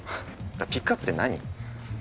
ピックアップって何？